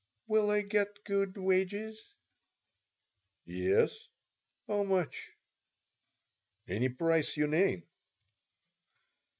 "Will I get good wages?" "Yes." "How much?" "Any price you name."